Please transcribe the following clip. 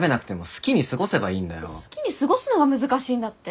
好きに過ごすのが難しいんだって。